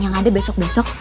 yang ada besok besok